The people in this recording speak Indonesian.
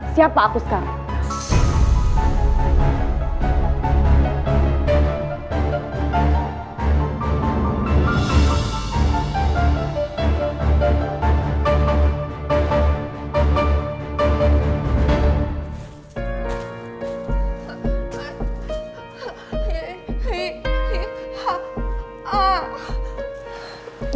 siapa aku sekarang